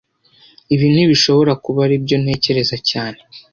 Ibi ntibishobora kuba aribyo ntekereza cyane